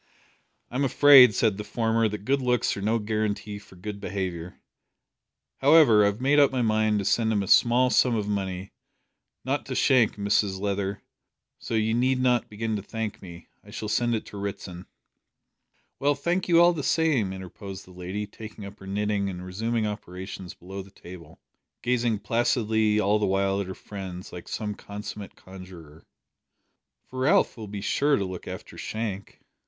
"I'm afraid," said the former, "that good looks are no guarantee for good behaviour. However, I have made up my mind to send him a small sum of money not to Shank, Mrs Leather, so you need not begin to thank me. I shall send it to Ritson." "Well, thank you all the same," interposed the lady, taking up her knitting and resuming operations below the table, gazing placidly all the while at her friends like some consummate conjuror, "for Ralph will be sure to look after Shank."